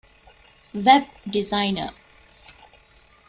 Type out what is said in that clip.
ވެބް ޑިޒައިނަރ